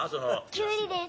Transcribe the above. キュウリです。